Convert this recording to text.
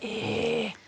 ええ！